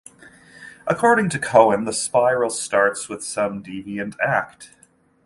According to Cohen, the spiral starts with some 'deviant' act.